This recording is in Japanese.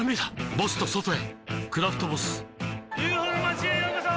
ボスと外へ「クラフトボス」ＵＦＯの町へようこそ！